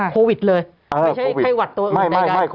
โควิดเลยไม่ใช่ไขวัตตัวอื่นได้กัน